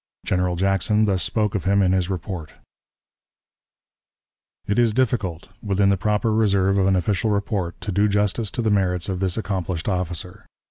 General Jackson thus spoke of him in his report: "It is difficult, within the proper reserve of an official report, to do justice to the merits of this accomplished officer.